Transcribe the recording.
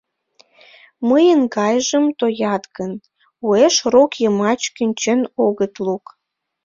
Мыйын гайжым тоят гын, уэш рок йымач кӱнчен огыт лук...